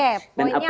oke poinnya apa